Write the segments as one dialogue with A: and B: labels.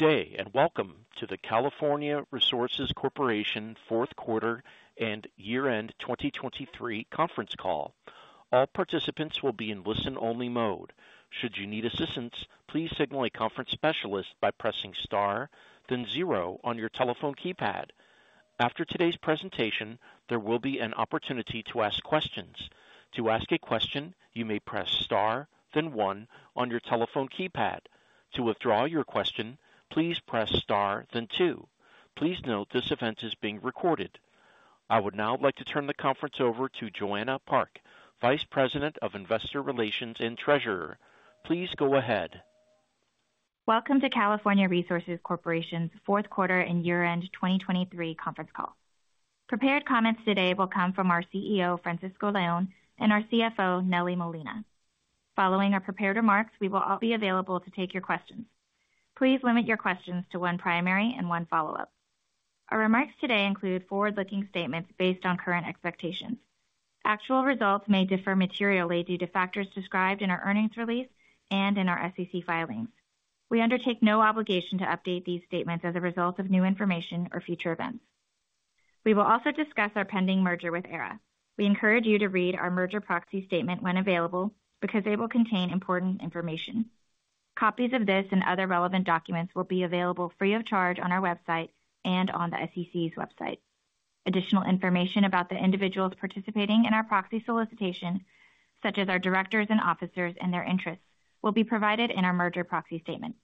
A: Good day, and welcome to the California Resources Corporation Fourth Quarter and Year-End 2023 conference call. All participants will be in listen-only mode. Should you need assistance, please signal a conference specialist by pressing Star then zero on your telephone keypad. After today's presentation, there will be an opportunity to ask questions. To ask a question, you may press Star then one on your telephone keypad. To withdraw your question, please press Star, then two. Please note, this event is being recorded. I would now like to turn the conference over to Joanna Park, Vice President of Investor Relations and Treasurer. Please go ahead.
B: Welcome to California Resources Corporation's Fourth Quarter and Year-End 2023 conference call. Prepared comments today will come from our CEO, Francisco Leon, and our CFO, Nelly Molina. Following our prepared remarks, we will all be available to take your questions. Please limit your questions to one primary and one follow-up. Our remarks today include forward-looking statements based on current expectations. Actual results may differ materially due to factors described in our earnings release and in our SEC filings. We undertake no obligation to update these statements as a result of new information or future events. We will also discuss our pending merger with Aera. We encourage you to read our merger proxy statement when available, because they will contain important information. Copies of this and other relevant documents will be available free of charge on our website and on the SEC's website. Additional information about the individuals participating in our proxy solicitation, such as our directors and officers and their interests, will be provided in our merger proxy statement.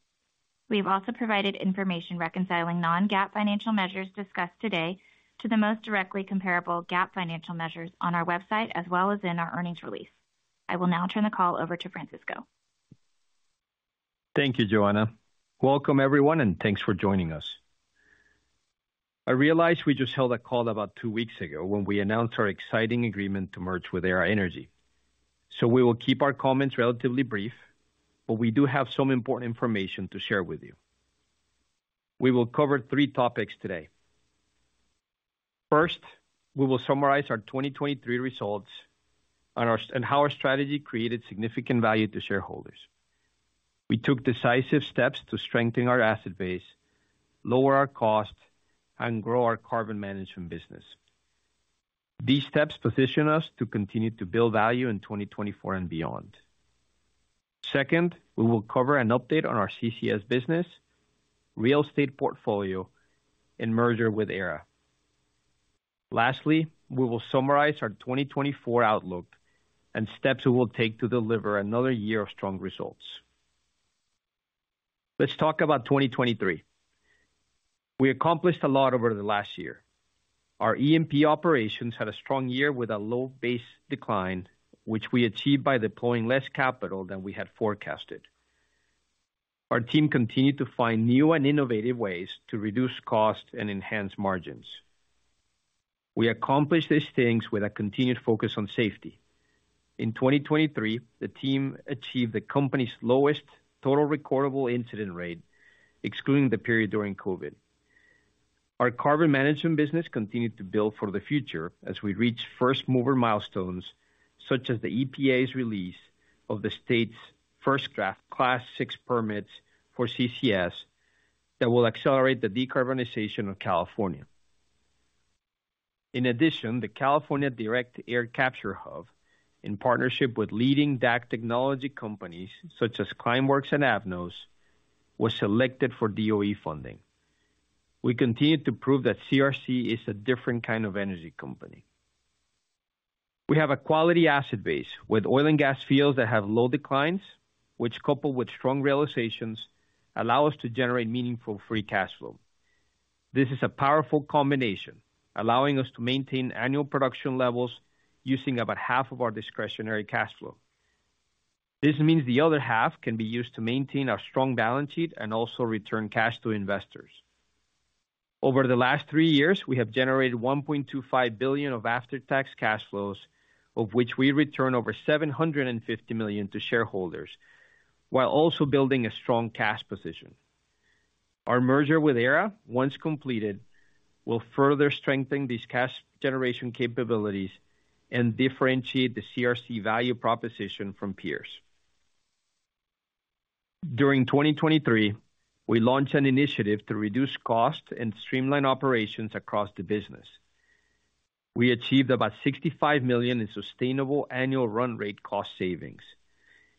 B: We have also provided information reconciling non-GAAP financial measures discussed today to the most directly comparable GAAP financial measures on our website as well as in our earnings release. I will now turn the call over to Francisco.
C: Thank you, Joanna. Welcome, everyone, and thanks for joining us. I realize we just held a call about two weeks ago when we announced our exciting agreement to merge with Aera Energy, so we will keep our comments relatively brief, but we do have some important information to share with you. We will cover three topics today. First, we will summarize our 2023 results and how our strategy created significant value to shareholders. We took decisive steps to strengthen our asset base, lower our costs, and grow our carbon management business. These steps position us to continue to build value in 2024 and beyond. Second, we will cover an update on our CCS business, real estate portfolio, and merger with Aera. Lastly, we will summarize our 2024 outlook and steps we will take to deliver another year of strong results. Let's talk about 2023. We accomplished a lot over the last year. Our E&P operations had a strong year with a low base decline, which we achieved by deploying less capital than we had forecasted. Our team continued to find new and innovative ways to reduce costs and enhance margins. We accomplished these things with a continued focus on safety. In 2023, the team achieved the company's lowest total recordable incident rate, excluding the period during COVID. Our carbon management business continued to build for the future as we reached first mover milestones, such as the EPA's release of the state's first draft Class VI permits for CCS that will accelerate the decarbonization of California. In addition, the California Direct Air Capture Hub, in partnership with leading DAC technology companies such as Climeworks and Avnos, was selected for DOE funding. We continued to prove that CRC is a different kind of energy company. We have a quality asset base with oil and gas fields that have low declines, which, coupled with strong realizations, allow us to generate meaningful free cash flow. This is a powerful combination, allowing us to maintain annual production levels using about half of our discretionary cash flow. This means the other half can be used to maintain our strong balance sheet and also return cash to investors. Over the last three years, we have generated $1.25 billion of after-tax cash flows, of which we return over $750 million to shareholders, while also building a strong cash position. Our merger with Aera, once completed, will further strengthen these cash generation capabilities and differentiate the CRC value proposition from peers. During 2023, we launched an initiative to reduce costs and streamline operations across the business. We achieved about $65 million in sustainable annual run rate cost savings.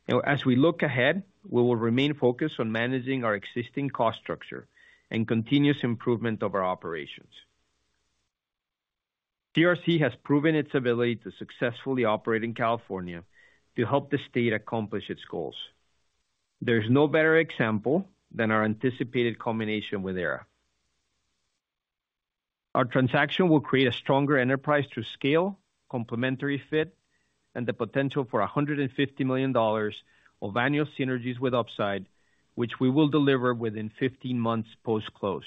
C: Now, as we look ahead, we will remain focused on managing our existing cost structure and continuous improvement of our operations. CRC has proven its ability to successfully operate in California to help the state accomplish its goals. There's no better example than our anticipated combination with Aera. Our transaction will create a stronger enterprise through scale, complementary fit, and the potential for $150 million of annual synergies with upside, which we will deliver within 15 months post-close.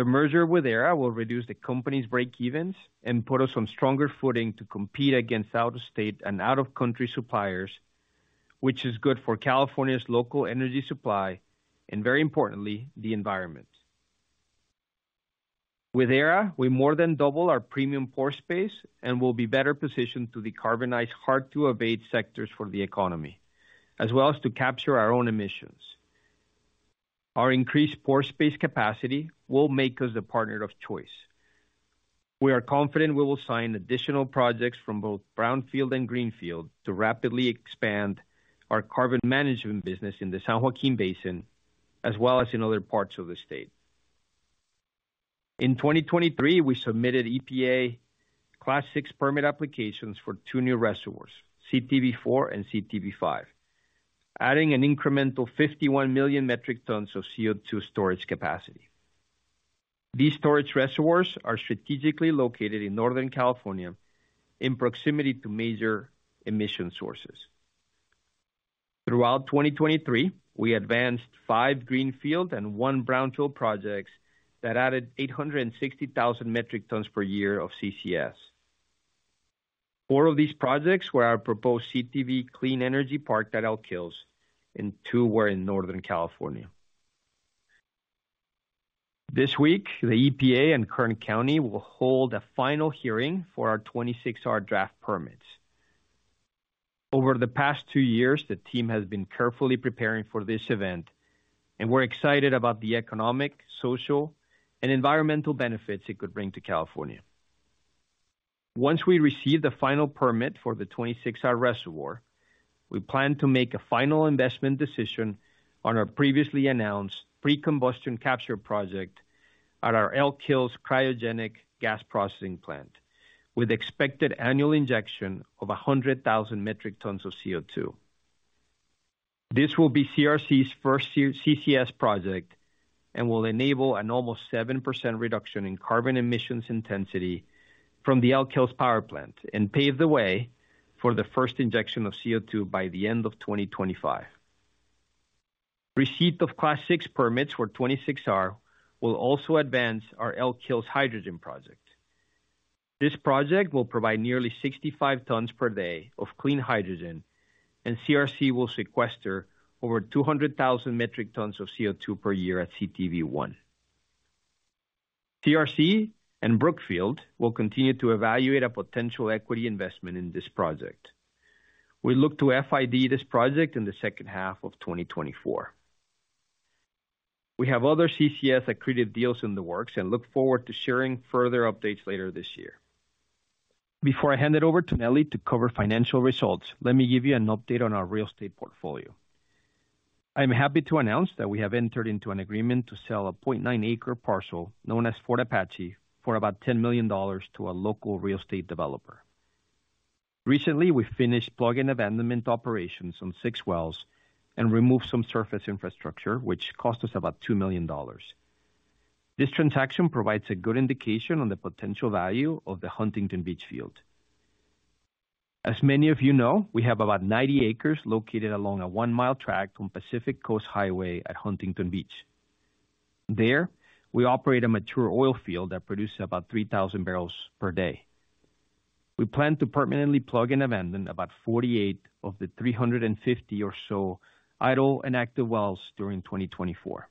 C: The merger with Aera will reduce the company's breakevens and put us on stronger footing to compete against out-of-state and out-of-country suppliers, which is good for California's local energy supply and very importantly, the environment. With Aera, we more than double our premium pore space and will be better positioned to decarbonize hard-to-abate sectors for the economy, as well as to capture our own emissions. Our increased pore space capacity will make us a partner of choice. We are confident we will sign additional projects from both brownfield and greenfield to rapidly expand our carbon management business in the San Joaquin Basin, as well as in other parts of the state. In 2023, we submitted EPA Class VI permit applications for two new reservoirs, CTV 4 and CTV 5, adding an incremental 51 million metric tons of CO2 storage capacity. These storage reservoirs are strategically located in Northern California in proximity to major emission sources. Throughout 2023, we advanced five greenfield and one brownfield projects that added 860,000 metric tons per year of CCS. Four of these projects were our proposed CTV Clean Energy Park at Elk Hills, and two were in Northern California. This week, the EPA and Kern County will hold a final hearing for our 26R draft permits. Over the past two years, the team has been carefully preparing for this event, and we're excited about the economic, social, and environmental benefits it could bring to California. Once we receive the final permit for the 26R reservoir, we plan to make a final investment decision on our previously announced pre-combustion capture project at our Elk Hills cryogenic gas processing plant, with expected annual injection of 100,000 metric tons of CO2. This will be CRC's first CCS project and will enable an almost 7% reduction in carbon emissions intensity from the Elk Hills power plant and pave the way for the first injection of CO2 by the end of 2025. Receipt of Class VI permits for 26R will also advance our Elk Hills hydrogen project. This project will provide nearly 65 tons per day of clean hydrogen, and CRC will sequester over 200,000 metric tons of CO2 per year at CTV 1. CRC and Brookfield will continue to evaluate a potential equity investment in this project. We look to FID this project in the second half of 2024. We have other CCS accretive deals in the works and look forward to sharing further updates later this year. Before I hand it over to Nelly to cover financial results, let me give you an update on our real estate portfolio. I'm happy to announce that we have entered into an agreement to sell a 0.9-acre parcel known as Fort Apache for about $10 million to a local real estate developer. Recently, we finished plug and abandonment operations on six wells and removed some surface infrastructure, which cost us about $2 million. This transaction provides a good indication on the potential value of the Huntington Beach field. As many of you know, we have about 90 acres located along a 1-mile tract on Pacific Coast Highway at Huntington Beach. There, we operate a mature oil field that produces about 3,000 barrels per day. We plan to permanently plug and abandon about 48 of the 350 or so idle and active wells during 2024.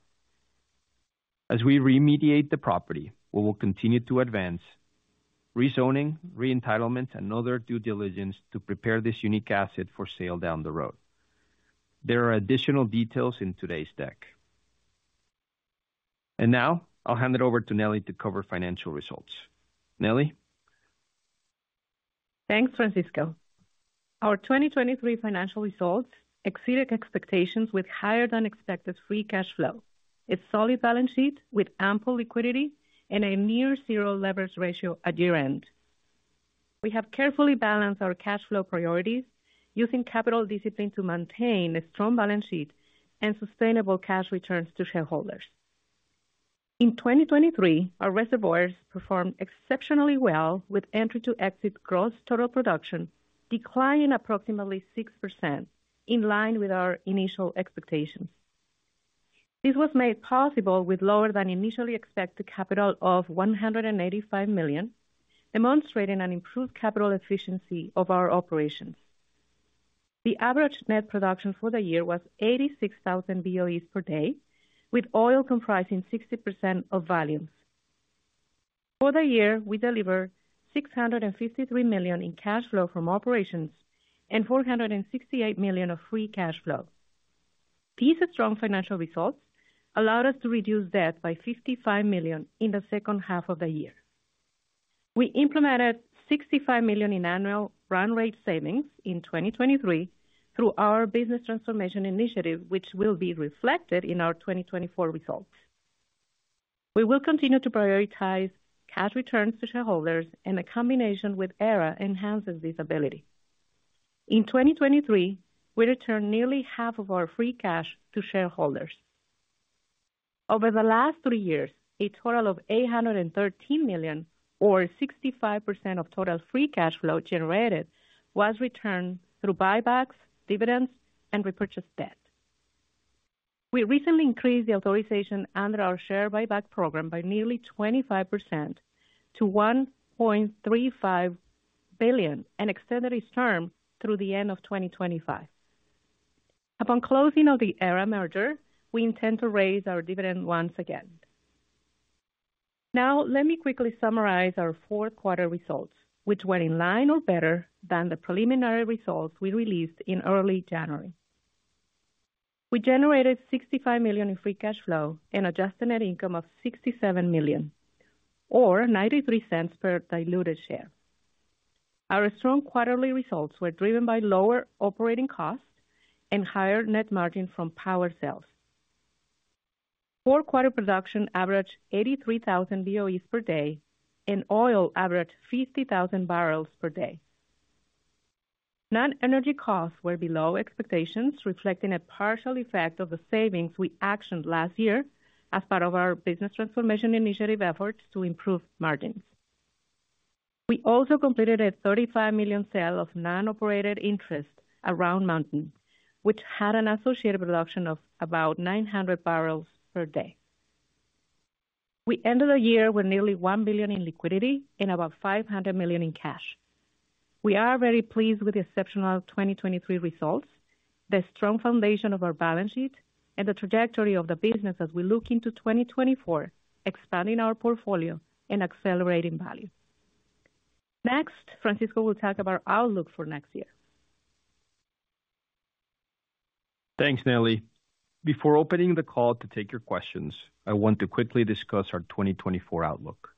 C: As we remediate the property, we will continue to advance rezoning, re-entitlement, and other due diligence to prepare this unique asset for sale down the road. There are additional details in today's deck. Now I'll hand it over to Nelly to cover financial results. Nelly?
D: Thanks, Francisco. Our 2023 financial results exceeded expectations with higher than expected free cash flow, a solid balance sheet with ample liquidity, and a near zero leverage ratio at year-end. We have carefully balanced our cash flow priorities using capital discipline to maintain a strong balance sheet and sustainable cash returns to shareholders. In 2023, our reservoirs performed exceptionally well, with entry to exit gross total production declining approximately 6%, in line with our initial expectations. This was made possible with lower than initially expected capital of $185 million, demonstrating an improved capital efficiency of our operations. The average net production for the year was 86,000 BOEs per day, with oil comprising 60% of volumes. For the year, we delivered $653 million in cash flow from operations and $468 million of free cash flow. These strong financial results allowed us to reduce debt by $55 million in the second half of the year. We implemented $65 million in annual run rate savings in 2023 through our business transformation initiative, which will be reflected in our 2024 results. We will continue to prioritize cash returns to shareholders, and the combination with Aera enhances this ability. In 2023, we returned nearly half of our free cash to shareholders. Over the last three years, a total of $813 million or 65% of total free cash flow generated, was returned through buybacks, dividends, and repurchased debt. We recently increased the authorization under our share buyback program by nearly 25% to $1.35 billion, and extended its term through the end of 2025. Upon closing of the Aera merger, we intend to raise our dividend once again. Now, let me quickly summarize our fourth quarter results, which were in line or better than the preliminary results we released in early January. We generated $65 million in free cash flow and adjusted net income of $67 million, or $0.93 per diluted share. Our strong quarterly results were driven by lower operating costs and higher net margin from power sales. Fourth quarter production averaged 83,000 BOEs per day, and oil averaged 50,000 barrels per day. Non-energy costs were below expectations, reflecting a partial effect of the savings we actioned last year as part of our business transformation initiative efforts to improve margins. We also completed a $35 million sale of non-operated interest in Round Mountain, which had an associated production of about 900 barrels per day. We ended the year with nearly $1 billion in liquidity and about $500 million in cash. We are very pleased with the exceptional 2023 results, the strong foundation of our balance sheet, and the trajectory of the business as we look into 2024, expanding our portfolio and accelerating value. Next, Francisco will talk about our outlook for next year.
C: Thanks, Nelly. Before opening the call to take your questions, I want to quickly discuss our 2024 outlook.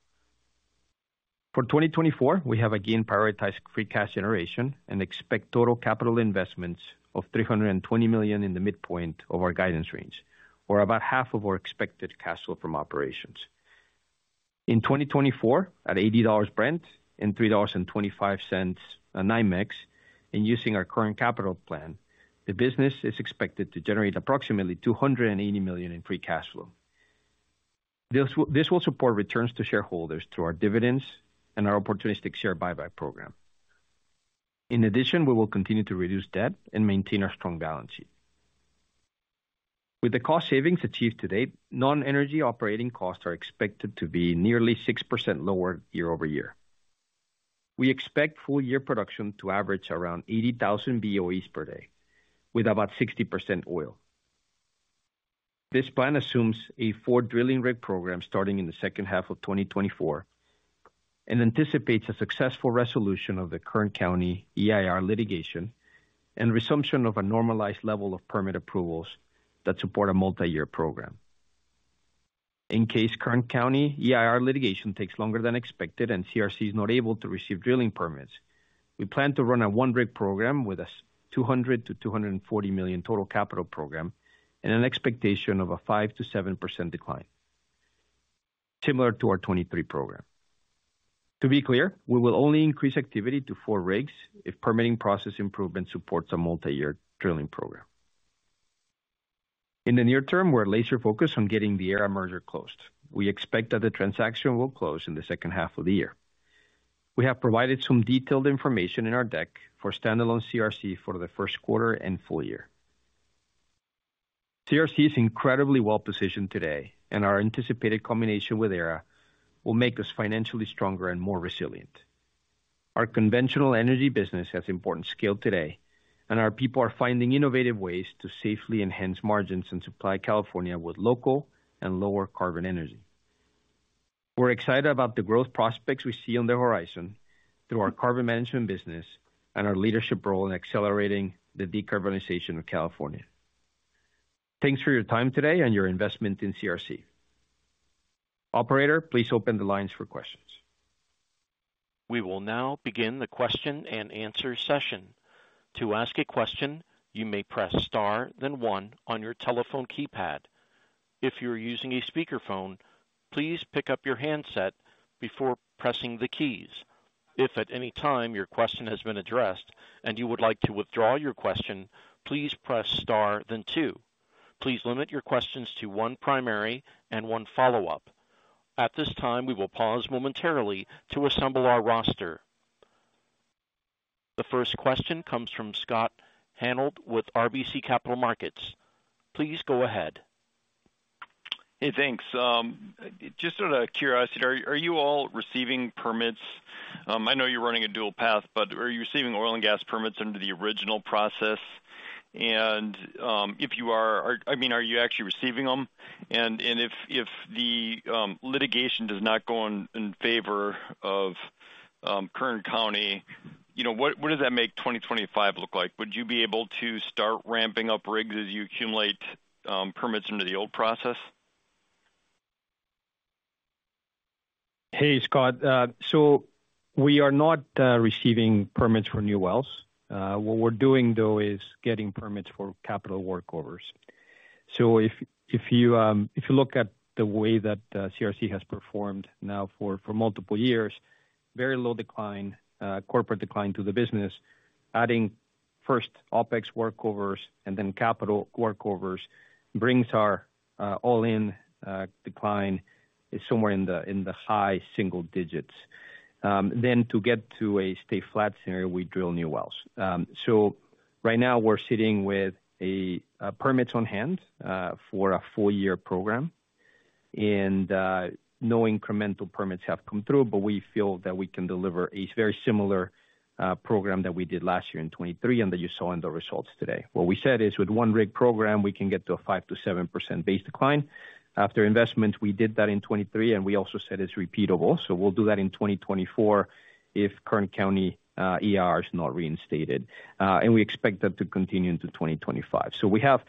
C: For 2024, we have again prioritized free cash generation and expect total capital investments of $320 million in the midpoint of our guidance range, or about half of our expected cash flow from operations. In 2024, at $80 Brent and $3.25 on NYMEX, and using our Kern capital plan, the business is expected to generate approximately $280 million in free cash flow. This will, this will support returns to shareholders, through our dividends and our opportunistic share buyback program. In addition, we will continue to reduce debt and maintain our strong balance sheet. With the cost savings achieved to date, non-energy operating costs are expected to be nearly 6% lower year-over-year. We expect full year production to average around 80,000 BOEs per day, with about 60% oil. This plan assumes a four drilling rig program starting in the second half of 2024, and anticipates a successful resolution of the Kern County EIR litigation and resumption of a normalized level of permit approvals that support a multi-year program. In case Kern County EIR litigation takes longer than expected and CRC is not able to receive drilling permits, we plan to run a one rig program with a $200 million-$240 million total capital program and an expectation of a 5%-7% decline, similar to our 2023 program. To be clear, we will only increase activity to four rigs if permitting process improvement supports a multi-year drilling program. In the near term, we're laser focused on getting the Aera merger closed. We expect that the transaction will close in the second half of the year. We have provided some detailed information in our deck for standalone CRC for the first quarter and full year. CRC is incredibly well-positioned today, and our anticipated combination with Aera will make us financially stronger and more resilient. Our conventional energy business has important scale today, and our people are finding innovative ways to safely enhance margins and supply California with local and lower carbon energy. We're excited about the growth prospects we see on the horizon through our carbon management business and our leadership role in accelerating the decarbonization of California. Thanks for your time today and your investment in CRC. Operator, please open the lines for questions.
A: We will now begin the question-and-answer session. To ask a question, you may press star, then one on your telephone keypad. If you are using a speakerphone, please pick up your handset before pressing the keys. If at any time your question has been addressed and you would like to withdraw your question, please press star, then two. Please limit your questions to one primary and one follow-up. At this time, we will pause momentarily to assemble our roster. The first question comes from Scott Hanold with RBC Capital Markets. Please go ahead.
E: Hey, thanks. Just out of curiosity, are you all receiving permits? I know you're running a dual path, but are you receiving oil and gas permits under the original process? And, if you are, are—I mean, are you actually receiving them? And, if the litigation does not go in favor of Kern County, you know, what does that make 2025 look like? Would you be able to start ramping up rigs as you accumulate permits under the old process?
C: Hey, Scott. So we are not receiving permits for new wells. What we're doing, though, is getting permits for capital workovers. So if you look at the way that CRC has performed now for multiple years, very low decline, corporate decline to the business, adding first OpEx workovers and then capital workovers brings our all-in decline somewhere in the high single digits. Then to get to a stay flat scenario, we drill new wells. So right now we're sitting with permits on hand for a full year program... and no incremental permits have come through, but we feel that we can deliver a very similar program that we did last year in 2023, and that you saw in the results today. What we said is with one rig program, we can get to a 5%-7% base decline. After investment, we did that in 2023, and we also said it's repeatable. So we'll do that in 2024 if Kern County EIR is not reinstated. And we expect that to continue into 2025. So we have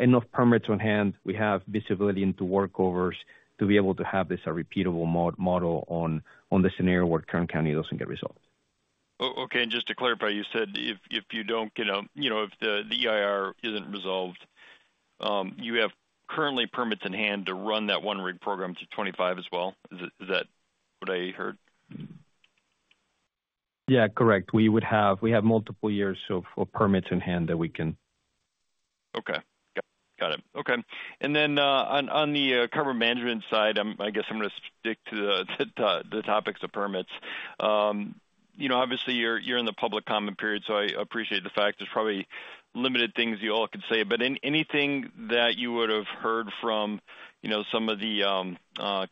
C: enough permits on hand. We have visibility into workovers to be able to have this a repeatable model on the scenario where Kern County doesn't get resolved.
E: Okay, and just to clarify, you said if you don't, you know, if the EIR isn't resolved, you have currently permits in hand to run that one rig program to 25 as well. Is that what I heard?
C: Yeah, correct. We would have, we have multiple years of permits in hand that we can.
E: Okay. Got it. Okay. And then, on the carbon management side, I guess I'm gonna stick to the topics of permits. You know, obviously, you're in the public comment period, so I appreciate the fact there's probably limited things you all can say, but anything that you would have heard from, you know, some of the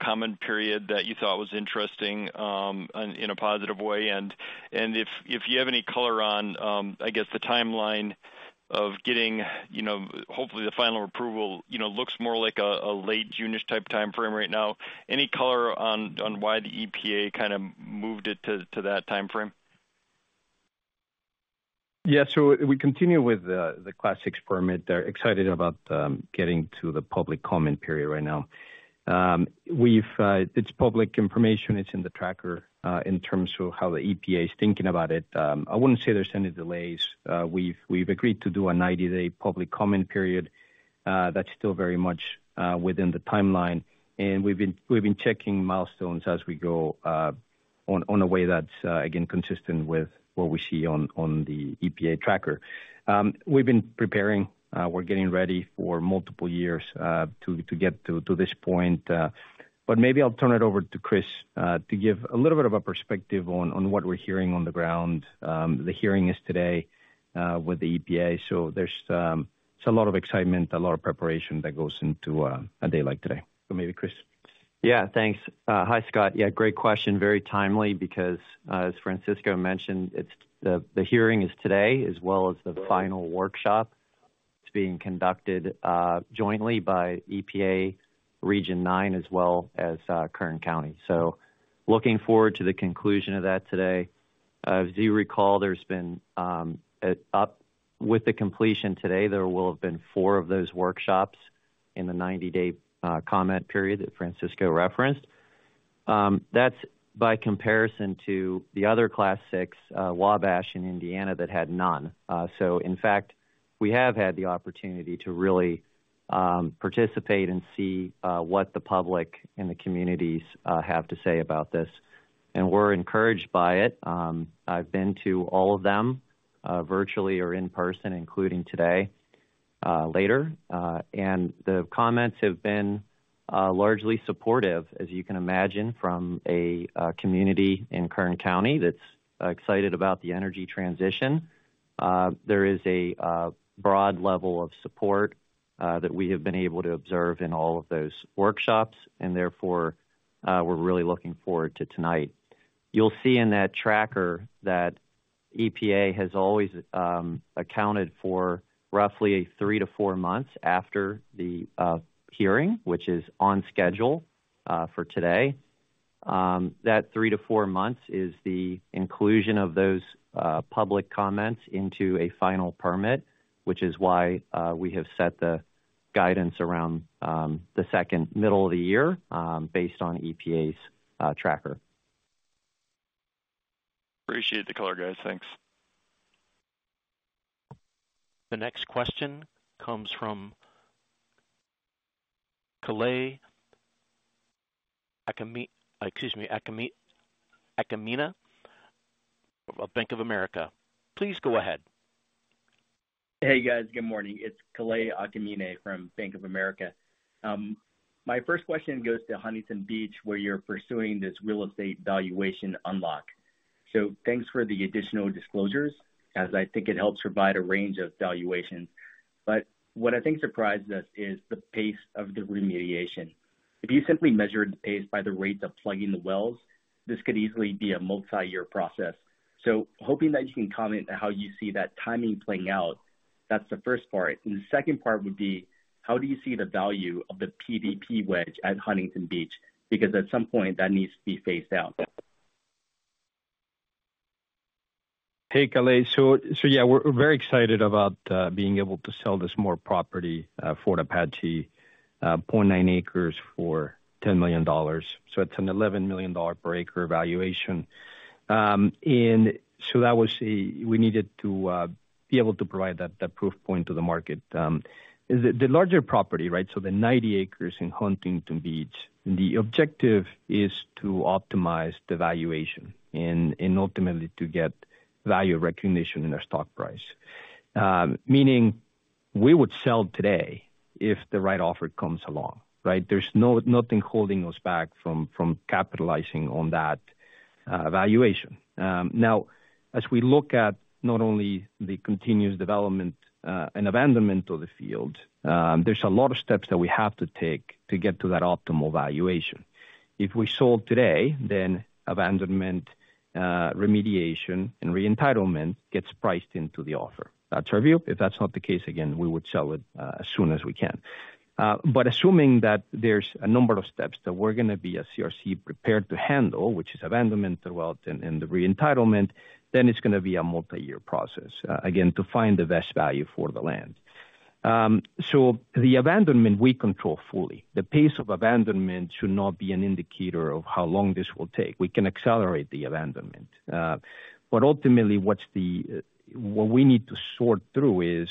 E: comment period that you thought was interesting, in a positive way? And if you have any color on, I guess, the timeline of getting, you know, hopefully the final approval, you know, looks more like a late June-ish type timeframe right now. Any color on why the EPA kind of moved it to that timeframe?
C: Yeah. So we continue with the Class VI permit. They're excited about getting to the public comment period right now. It's public information, it's in the tracker in terms of how the EPA is thinking about it. I wouldn't say there's any delays. We've agreed to do a 90-day public comment period. That's still very much within the timeline, and we've been checking milestones as we go on a way that's again consistent with what we see on the EPA tracker. We've been preparing, we're getting ready for multiple years to get to this point, but maybe I'll turn it over to Chris to give a little bit of a perspective on what we're hearing on the ground. The hearing is today with the EPA, so there's it's a lot of excitement, a lot of preparation that goes into a day like today. So maybe, Chris.
F: Yeah, thanks. Hi, Scott. Yeah, great question. Very timely, because as Francisco mentioned, it's the hearing today as well as the final workshop. It's being conducted jointly by EPA Region 9, as well as Kern County. So looking forward to the conclusion of that today. As you recall, there's been up until the completion today, there will have been four of those workshops in the 90-day comment period that Francisco referenced. That's by comparison to the other Class VI Wabash in Indiana that had none. So in fact, we have had the opportunity to really participate and see what the public and the communities have to say about this, and we're encouraged by it. I've been to all of them virtually or in person, including today later. And the comments have been largely supportive, as you can imagine, from a community in Kern County that's excited about the energy transition. There is a broad level of support that we have been able to observe in all of those workshops, and therefore, we're really looking forward to tonight. You'll see in that tracker that EPA has always accounted for roughly 3-4 months after the hearing, which is on schedule for today. That 3-4 months is the inclusion of those public comments into a final permit, which is why we have set the guidance around the second middle of the year based on EPA's tracker.
E: Appreciate the color, guys. Thanks.
A: The next question comes from Kalei Akamine, excuse me, Akamine of Bank of America. Please go ahead.
G: Hey, guys. Good morning. It's Kalei Akamine from Bank of America. My first question goes to Huntington Beach, where you're pursuing this real estate valuation unlock. So thanks for the additional disclosures, as I think it helps provide a range of valuations. But what I think surprised us is the pace of the remediation. If you simply measured the pace by the rates of plugging the wells, this could easily be a multi-year process. So hoping that you can comment on how you see that timing playing out. That's the first part. And the second part would be: How do you see the value of the PDP wedge at Huntington Beach? Because at some point, that needs to be phased out.
C: Hey, Kalei. So yeah, we're very excited about being able to sell this more property, Fort Apache, 0.9 acres for $10 million. So it's an $11 million per acre valuation. And so that was a we needed to be able to provide that proof point to the market. The larger property, right, so the 90 acres in Huntington Beach, the objective is to optimize the valuation and ultimately to get value recognition in our stock price. Meaning we would sell today if the right offer comes along, right? There's nothing holding us back from capitalizing on that valuation. Now, as we look at not only the continuous development and abandonment of the field, there's a lot of steps that we have to take to get to that optimal valuation. If we sold today, then abandonment, remediation, and re-entitlement gets priced into the offer. That's our view. If that's not the case, again, we would sell it, as soon as we can. But assuming that there's a number of steps that we're gonna be, as CRC, prepared to handle, which is abandonment as well, and the re-entitlement, then it's gonna be a multi-year process, again, to find the best value for the land. So the abandonment, we control fully. The pace of abandonment should not be an indicator of how long this will take. We can accelerate the abandonment. But ultimately, what we need to sort through is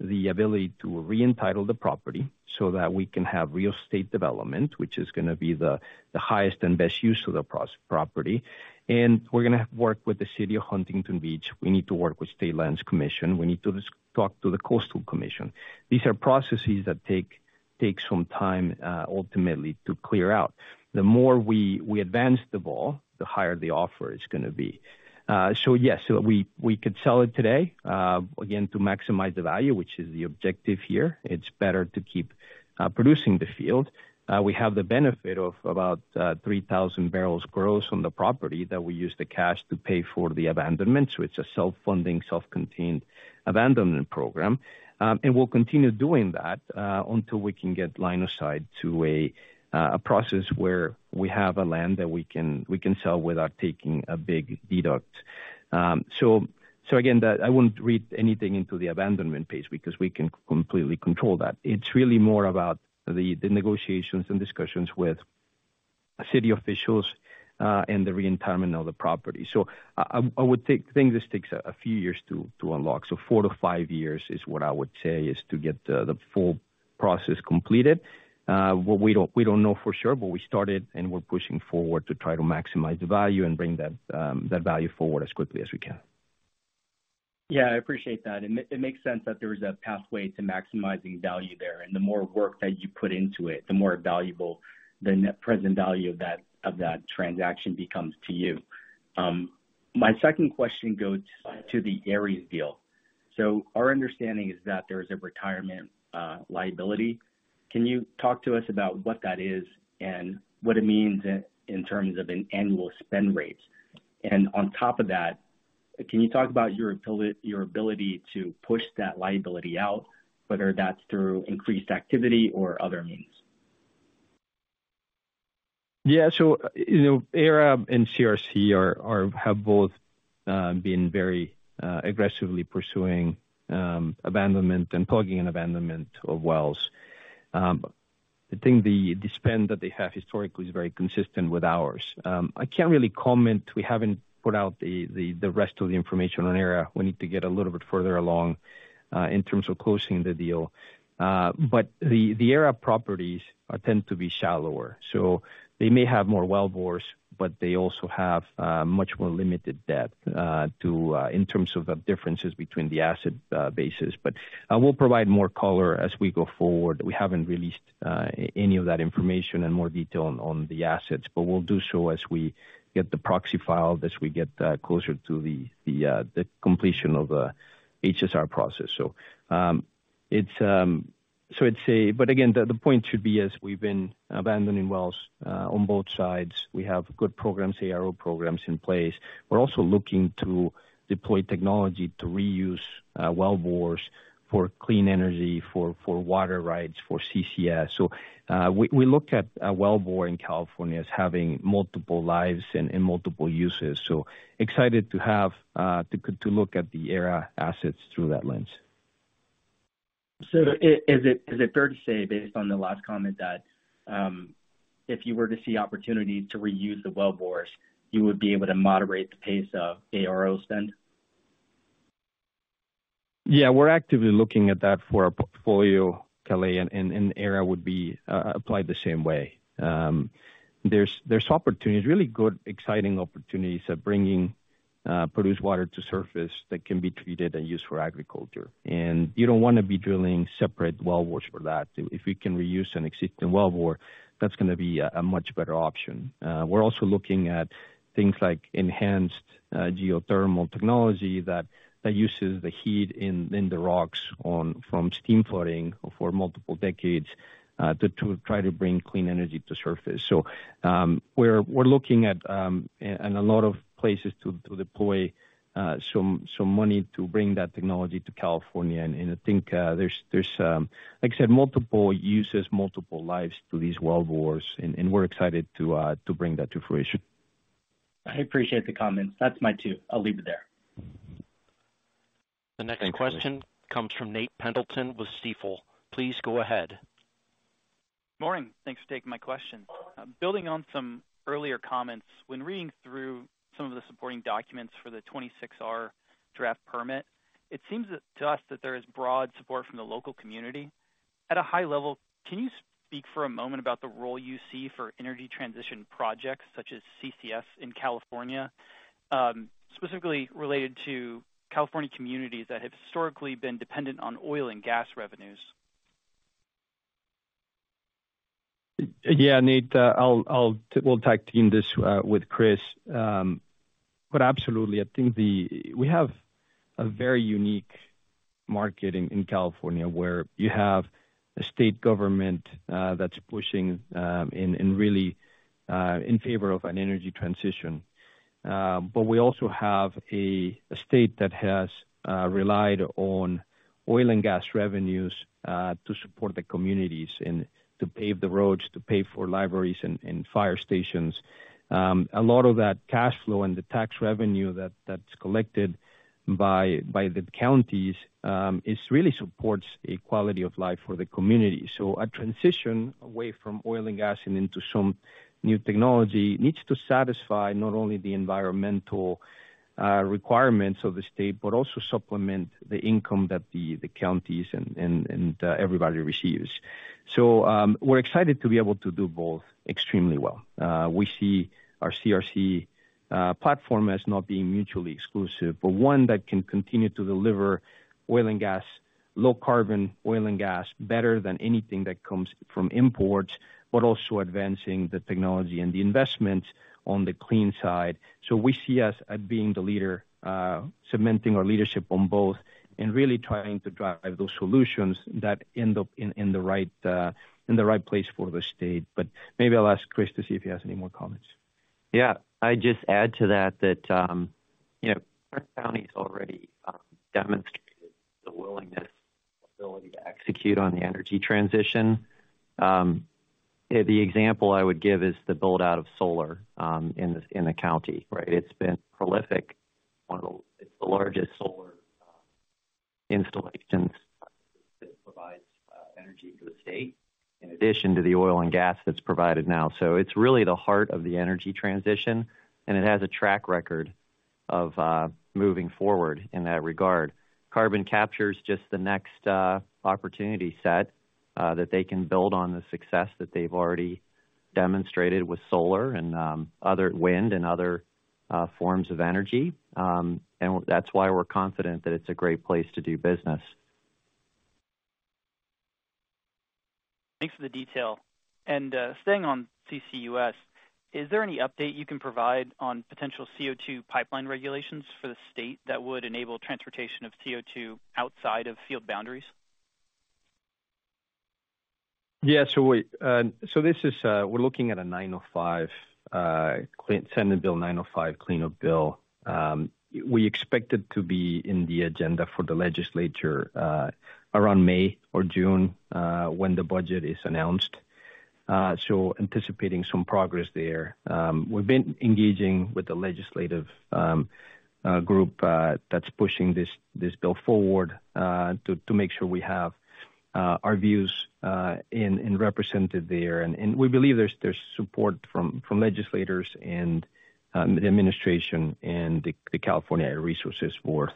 C: the ability to re-entitle the property so that we can have real estate development, which is gonna be the highest and best use of the property, and we're gonna work with the city of Huntington Beach. We need to work with State Lands Commission. We need to talk to the Coastal Commission. These are processes that take some time, ultimately, to clear out. The more we advance the ball, the higher the offer is gonna be. So yes, we could sell it today. Again, to maximize the value, which is the objective here, it's better to keep producing the field. We have the benefit of about 3,000 barrels gross on the property that we use the cash to pay for the abandonment. So it's a self-funding, self-contained abandonment program. And we'll continue doing that, until we can get line of sight to a process where we have land that we can sell without taking a big deduct. So again, that—I wouldn't read anything into the abandonment pace because we can completely control that. It's really more about the negotiations and discussions with city officials, and the re-entitlement of the property. So I would think this takes a few years to unlock. So 4-5 years is what I would say, is to get the full process completed. But we don't know for sure, but we started, and we're pushing forward to try to maximize the value and bring that value forward as quickly as we can.
G: Yeah, I appreciate that. It makes sense that there is a pathway to maximizing value there, and the more work that you put into it, the more valuable the net present value of that, of that transaction becomes to you. My second question goes to the Aera deal. So our understanding is that there is a retirement liability. Can you talk to us about what that is and what it means in terms of an annual spend rate? And on top of that, can you talk about your ability to push that liability out, whether that's through increased activity or other means?
C: Yeah, so, you know, Aera and CRC have both been very aggressively pursuing abandonment and plugging and abandonment of wells. I think the spend that they have historically is very consistent with ours. I can't really comment. We haven't put out the rest of the information on Aera. We need to get a little bit further along in terms of closing the deal. But the Aera properties tend to be shallower, so they may have more wellbores, but they also have much more limited depth to in terms of the differences between the asset bases. But we'll provide more color as we go forward. We haven't released any of that information in more detail on the assets, but we'll do so as we get the proxy filed, as we get closer to the completion of the HSR process. So, it's... But again, the point should be, as we've been abandoning wells on both sides, we have good programs, ARO programs in place. We're also looking to deploy technology to reuse wellbores for clean energy, for water rights, for CCS. So, we look at a wellbore in California as having multiple lives and multiple uses. So excited to have to look at the Aera assets through that lens.
G: Is it fair to say, based on the last comment, that if you were to see opportunity to reuse the wellbores, you would be able to moderate the pace of ARO spend?
C: Yeah, we're actively looking at that for our portfolio, Kelei, and Aera would be applied the same way. There's opportunities, really good, exciting opportunities at bringing produced water to surface that can be treated and used for agriculture. And you don't wanna be drilling separate wellbores for that. If we can reuse an existing wellbore, that's gonna be a much better option. We're also looking at things like enhanced geothermal technology that uses the heat in the rocks from steam flooding for multiple decades to try to bring clean energy to surface. So, we're looking at a lot of places to deploy some money to bring that technology to California. And I think there's, like I said, multiple uses, multiple lives to these wellbores, and we're excited to bring that to fruition.
G: I appreciate the comments. That's my two. I'll leave it there.
C: Thank you.
A: The next question comes from Nate Pendleton with Stifel. Please go ahead.
H: Morning. Thanks for taking my question. Building on some earlier comments, when reading through some of the supporting documents for the 26R draft permit, it seems that to us that there is broad support from the local community.... At a high level, can you speak for a moment about the role you see for energy transition projects such as CCS in California, specifically related to California communities that have historically been dependent on oil and gas revenues?
C: Yeah, Nate, I'll, we'll tag team this with Chris. But absolutely. I think we have a very unique market in California, where you have a state government that's pushing and really in favor of an energy transition. But we also have a state that has relied on oil and gas revenues to support the communities and to pave the roads, to pay for libraries and fire stations. A lot of that cash flow and the tax revenue that's collected by the counties, it really supports a quality of life for the community. So a transition away from oil and gas and into some new technology needs to satisfy not only the environmental requirements of the state, but also supplement the income that the counties and everybody receives. So, we're excited to be able to do both extremely well. We see our CRC platform as not being mutually exclusive, but one that can continue to deliver oil and gas, low carbon oil and gas, better than anything that comes from imports, but also advancing the technology and the investment on the clean side. So we see us as being the leader, cementing our leadership on both and really trying to drive those solutions that end up in the right place for the state. But maybe I'll ask Chris to see if he has any more comments.
F: Yeah, I'd just add to that that, you know, Kern County's already demonstrated the willingness, ability to execute on the energy transition. The example I would give is the build-out of solar in the county, right? It's been prolific. It's the largest solar installations that provides energy to the state, in addition to the oil and gas that's provided now. So it's really the heart of the energy transition, and it has a track record of moving forward in that regard. Carbon capture is just the next opportunity set that they can build on the success that they've already demonstrated with solar and other wind and other forms of energy. And that's why we're confident that it's a great place to do business.
H: Thanks for the detail. Staying on CCUS, is there any update you can provide on potential CO2 pipeline regulations for the state that would enable transportation of CO2 outside of field boundaries?
C: Yeah, so we're looking at a 905 cleanup bill, Senate Bill 905 cleanup bill. We expect it to be in the agenda for the legislature around May or June when the budget is announced. So anticipating some progress there. We've been engaging with the legislative group that's pushing this bill forward to make sure we have our views represented there. And we believe there's support from legislators and the administration and the California Air Resources Board.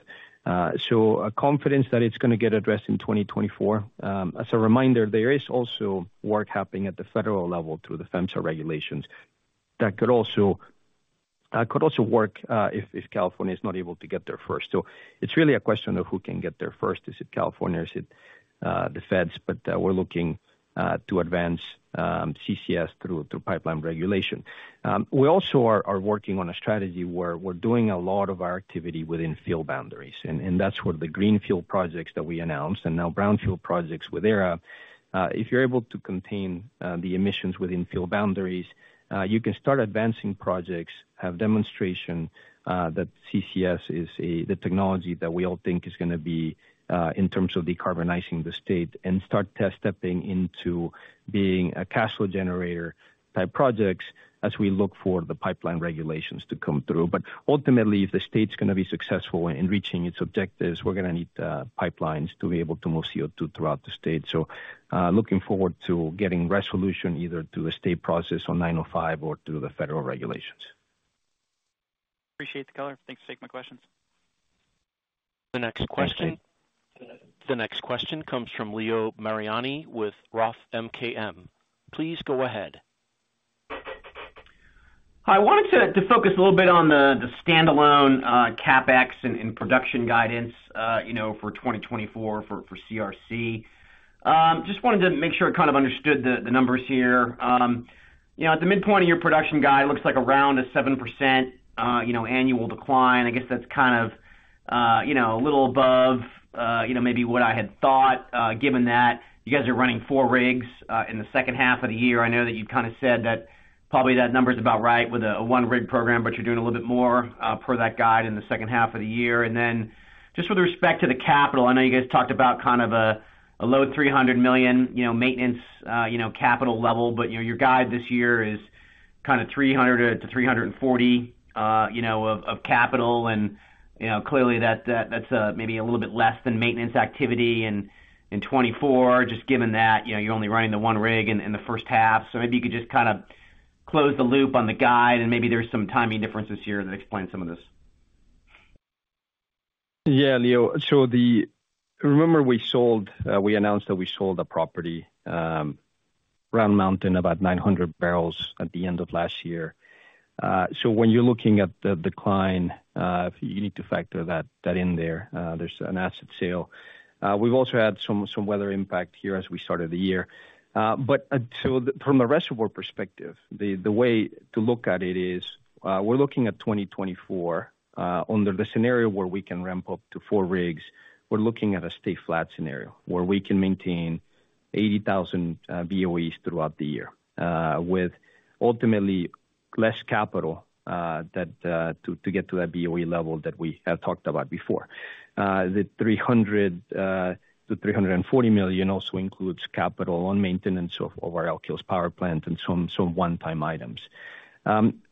C: So a confidence that it's gonna get addressed in 2024. As a reminder, there is also work happening at the federal level through the PHMSA regulations that could also work if California is not able to get there first. So it's really a question of who can get there first. Is it California? Is it the feds? But we're looking to advance CCS through pipeline regulation. We also are working on a strategy where we're doing a lot of our activity within field boundaries, and that's where the greenfield projects that we announced and now brownfield projects with Aera. If you're able to contain the emissions within field boundaries, you can start advancing projects, have demonstration that CCS is the technology that we all think is gonna be in terms of decarbonizing the state and start test stepping into being a cash flow generator type projects as we look for the pipeline regulations to come through. But ultimately, if the state's gonna be successful in reaching its objectives, we're gonna need pipelines to be able to move CO2 throughout the state. So, looking forward to getting resolution either through a state process on 905 or through the federal regulations.
H: Appreciate the color. Thanks for taking my questions.
A: The next question. The next question comes from Leo Mariani with Roth MKM. Please go ahead.
I: Hi. I wanted to focus a little bit on the standalone CapEx and production guidance, you know, for 2024 for CRC. Just wanted to make sure I kind of understood the numbers here. You know, at the midpoint of your production guide, looks like around a 7% annual decline. I guess that's kind of a little above, you know, maybe what I had thought, given that you guys are running four rigs in the second half of the year. I know that you've kind of said that probably that number is about right with a one rig program, but you're doing a little bit more per that guide in the second half of the year. Then, just with respect to the capital, I know you guys talked about kind of a low $300 million, you know, maintenance, you know, capital level, but, you know, your guide this year is kind of $300-$340, you know, of capital. And, you know, clearly that's maybe a little bit less than maintenance activity in 2024, just given that, you know, you're only running the one rig in the first half. So maybe you could just kind of close the loop on the guide, and maybe there's some timing differences here that explain some of this.
C: Yeah, Leo, so remember we sold, we announced that we sold a property, Round Mountain, about 900 barrels at the end of last year. So when you're looking at the decline, you need to factor that in there, there's an asset sale. We've also had some weather impact here as we started the year. But, so from a reservoir perspective, the way to look at it is, we're looking at 2024, under the scenario where we can ramp up to four rigs. We're looking at a stay flat scenario, where we can maintain 80,000 BOEs throughout the year, with ultimately less capital, to get to that BOE level that we have talked about before. The 300, the 300 and 40 million also includes capital on maintenance of our Elk Hills power plant and some one-time items.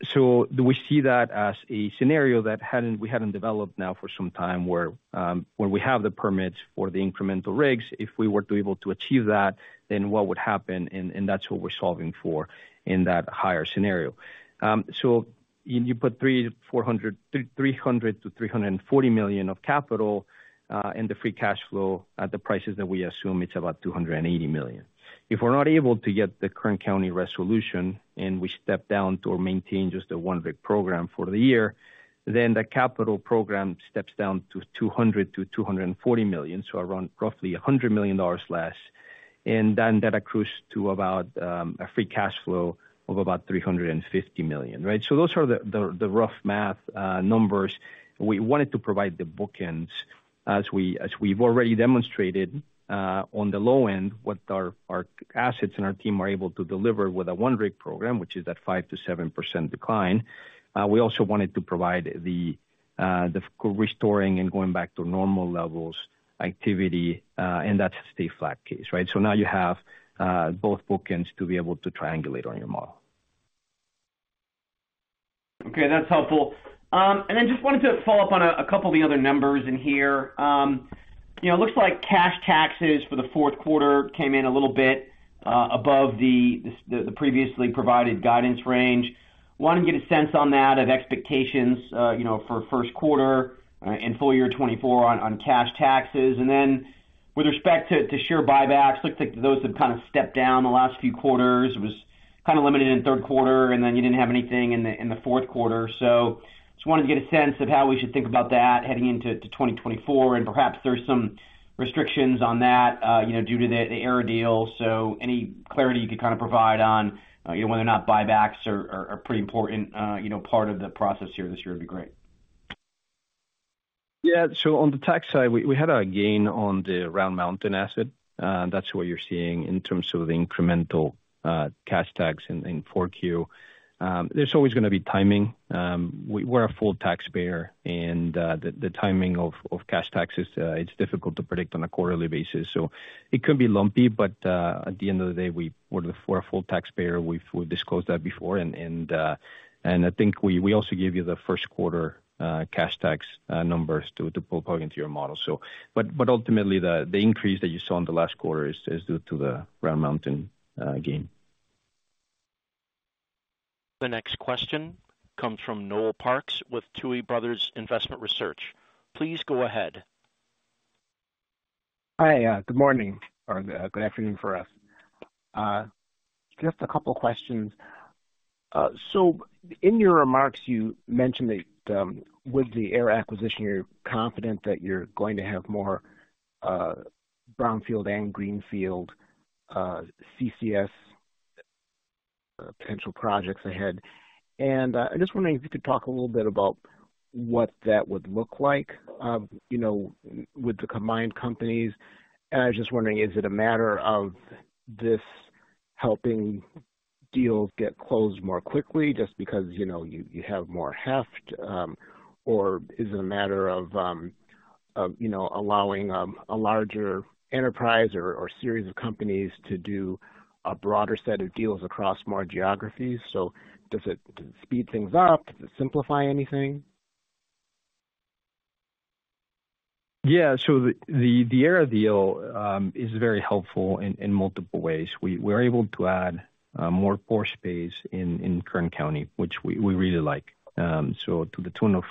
C: So we see that as a scenario that hadn't, we hadn't developed now for some time, where we have the permits for the incremental rigs. If we were to able to achieve that, then what would happen? And that's what we're solving for in that higher scenario. So you put $300-$400, $300-$340 million of capital in the free cash flow at the prices that we assume it's about $280 million. If we're not able to get the Kern county resolution, and we step down to maintain just a one rig program for the year, then the capital program steps down to $200 million-$240 million, so around roughly $100 million less, and then that accrues to about a free cash flow of about $350 million, right? So those are the rough math numbers. We wanted to provide the bookends, as we've already demonstrated, on the low end, what our assets and our team are able to deliver with a one rig program, which is at 5%-7% decline. We also wanted to provide the restoring and going back to normal levels activity, and that's the flat case, right? So now you have both bookends to be able to triangulate on your model.
I: Okay, that's helpful. And then just wanted to follow up on a couple of the other numbers in here. You know, it looks like cash taxes for the fourth quarter came in a little bit above the previously provided guidance range. Wanted to get a sense on that, of expectations, you know, for first quarter and full year 2024 on cash taxes. And then with respect to share buybacks, looks like those have kind of stepped down the last few quarters. It was kind of limited in the third quarter, and then you didn't have anything in the fourth quarter. So just wanted to get a sense of how we should think about that heading into 2024. And perhaps there's some restrictions on that, you know, due to the Aera deal. So, any clarity you could kind of provide on, you know, whether or not buybacks are pretty important, you know, part of the process here this year would be great.
C: Yeah. So on the tax side, we had a gain on the Round Mountain asset. That's what you're seeing in terms of incremental cash tax in 4Q. There's always gonna be timing. We're a full taxpayer, and the timing of cash taxes, it's difficult to predict on a quarterly basis. So it could be lumpy, but at the end of the day, we're a full taxpayer. We've disclosed that before. And I think we also gave you the first quarter cash tax numbers to plug into your model. So, but ultimately, the increase that you saw in the last quarter is due to the Round Mountain gain.
A: The next question comes from Noel Parks with Tuohy Brothers Investment Research. Please go ahead.
J: Hi, good morning, or good afternoon for us. Just a couple questions. So in your remarks, you mentioned that, with the Aera acquisition, you're confident that you're going to have more, brownfield and greenfield, CCS, potential projects ahead. I just wondering if you could talk a little bit about what that would look like, you know, with the combined companies. I was just wondering, is it a matter of this helping deals get closed more quickly just because, you know, you have more heft? Or is it a matter of, you know, allowing a larger enterprise or series of companies to do a broader set of deals across more geographies? So does it speed things up? Does it simplify anything?
C: Yeah. So the Aera deal is very helpful in multiple ways. We're able to add more pore space in Kern County, which we really like. So to the tune of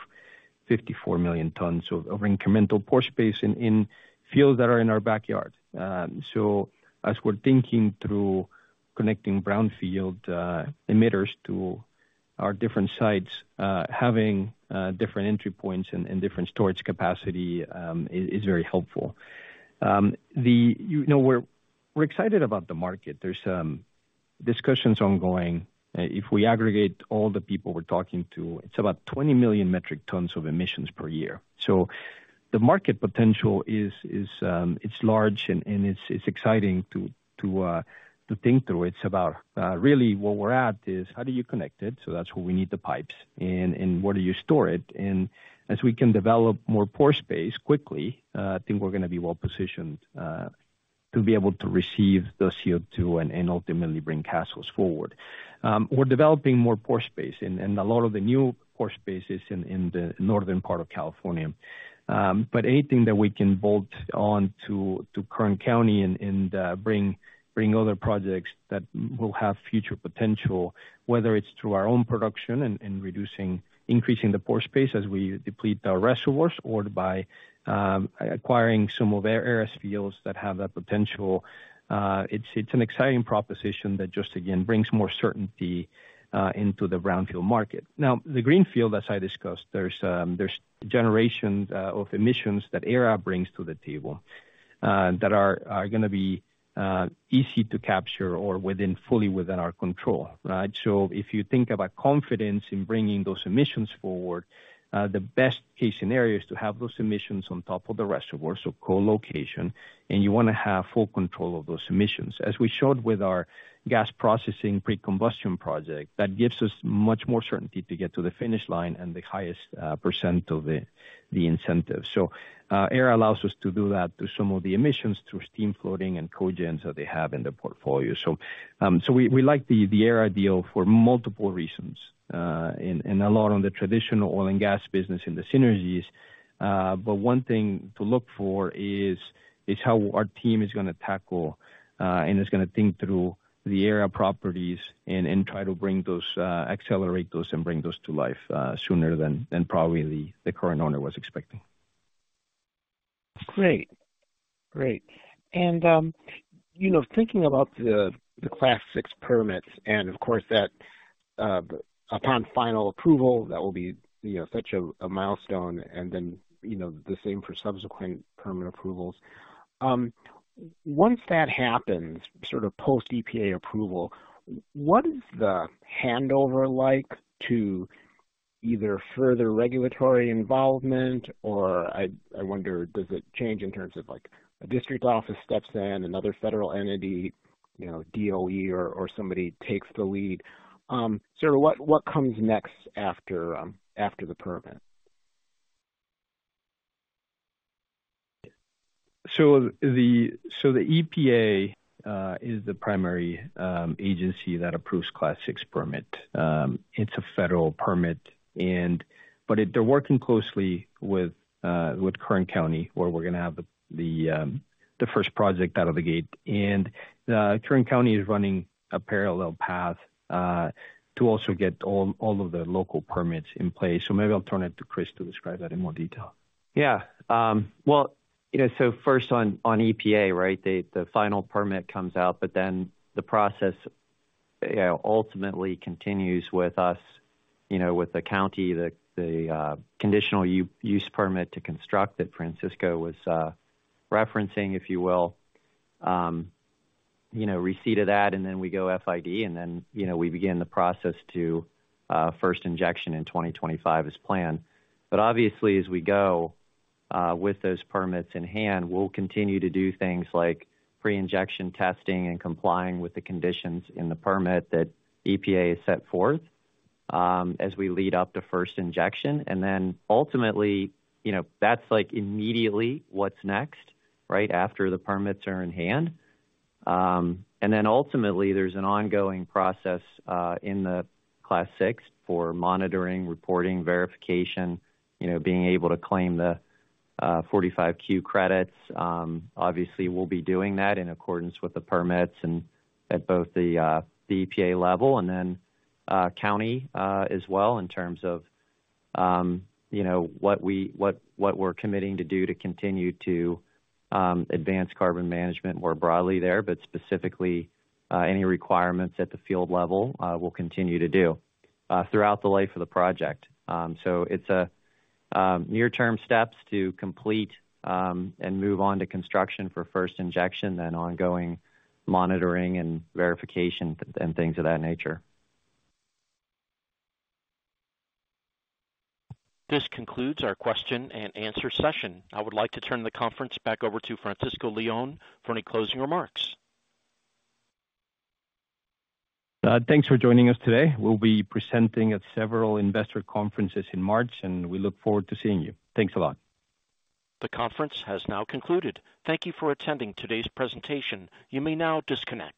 C: 54 million tons of incremental pore space in fields that are in our backyard. So as we're thinking through connecting brownfield emitters to our different sites, having different entry points and different storage capacity is very helpful. You know, we're excited about the market. There's discussions ongoing. If we aggregate all the people we're talking to, it's about 20 million metric tons of emissions per year. So the market potential is large and it's exciting to think through. It's about really where we're at is how do you connect it? So that's where we need the pipes. And where do you store it? And as we can develop more pore space quickly, I think we're gonna be well positioned to be able to receive the CO2 and ultimately bring CCS forward. We're developing more pore space and a lot of the new pore space is in the northern part of California. But anything that we can bolt on to Kern County and bring other projects that will have future potential, whether it's through our own production and increasing the pore space as we deplete our reservoirs, or by acquiring some of Aera's fields that have that potential. It's an exciting proposition that just again brings more certainty into the brownfield market. Now, the greenfield, as I discussed, there's generations of emissions that Aera brings to the table, that are gonna be easy to capture or within, fully within our control, right? So if you think about confidence in bringing those emissions forward, the best-case scenario is to have those emissions on top of the reservoir, so co-location, and you wanna have full control of those emissions. As we showed with our gas processing pre-combustion project, that gives us much more certainty to get to the finish line and the highest percent of the incentive. So, Aera allows us to do that through some of the emissions, through steam flooding and cogens that they have in their portfolio. So we like the Aera deal for multiple reasons and a lot on the traditional oil and gas business and the synergies. But one thing to look for is how our team is gonna tackle and is gonna think through the Aera properties and try to bring those, accelerate those and bring those to life sooner than probably the current owner was expecting.
J: Great. Great. And, you know, thinking about the Class VI permits and, of course, that, upon final approval, that will be, you know, such a milestone, and then, you know, the same for subsequent permit approvals. Once that happens, sort of post-EPA approval, what is the handover like to either further regulatory involvement or I wonder, does it change in terms of, like, a district office steps in, another federal entity, you know, DOE or somebody takes the lead? So what comes next after the permit?
C: So the EPA is the primary agency that approves Class VI permit. It's a federal permit, but they're working closely with Kern County, where we're gonna have the first project out of the gate. Kern County is running a parallel path to also get all of the local permits in place. So maybe I'll turn it to Chris to describe that in more detail.
F: Yeah. Well, you know, so first on, on EPA, right? The, the final permit comes out, but then the process ultimately continues with us, you know, with the county, the, the conditional use permit to construct that Francisco was referencing, if you will. You know, receipt of that, and then we go FID, and then, you know, we begin the process to first injection in 2025 as planned. But obviously, as we go with those permits in hand, we'll continue to do things like pre-injection testing and complying with the conditions in the permit that EPA has set forth as we lead up to first injection. And then ultimately, you know, that's, like, immediately what's next, right? After the permits are in hand. And then ultimately, there's an ongoing process in the Class VI for monitoring, reporting, verification, you know, being able to claim the 45Q credits. Obviously, we'll be doing that in accordance with the permits and at both the EPA level and then county as well, in terms of you know what we're committing to do to continue to advance carbon management more broadly there, but specifically any requirements at the field level we'll continue to do throughout the life of the project. So it's near-term steps to complete and move on to construction for first injection, then ongoing monitoring and verification and things of that nature.
A: This concludes our question and answer session. I would like to turn the conference back over to Francisco Leon for any closing remarks.
C: Thanks for joining us today. We'll be presenting at several investor conferences in March, and we look forward to seeing you. Thanks a lot.
A: The conference has now concluded. Thank you for attending today's presentation. You may now disconnect.